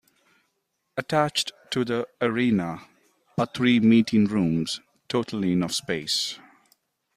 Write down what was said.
Attached to the arena are three meeting rooms totaling of space.